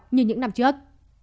như những năm trước